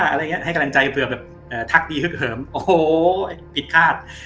อะไรอย่างนี้ให้กำลังใจเผื่อแบบทักดีฮึกเหิมโอ้โหผิดคาด